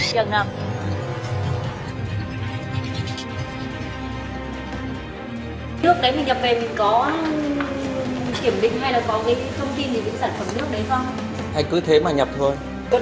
nước đấy mình nhập về mình có kiểm định hay là có cái thông tin về những sản phẩm nước đấy không